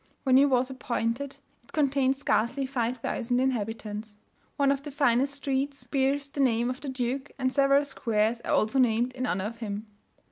When he was appointed it contained scarcely 5,000 inhabitants. One of the finest streets bears the name of the duke, and several squares are also named in honour of him.